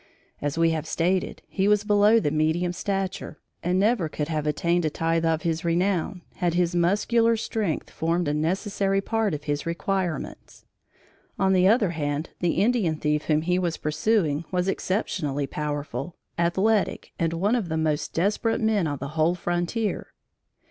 As we have stated, he was below the medium stature, and never could have attained a tithe of his renown, had his muscular strength formed a necessary part of his requirements. On the other hand, the Indian thief whom he was pursuing, was exceptionally powerful, athletic and one of the most desperate men on the whole frontier.